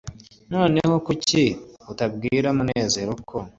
noneho kuki utabwira munezero ko